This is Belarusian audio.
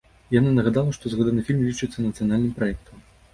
Яна нагадала, што згаданы фільм лічыцца нацыянальным праектам.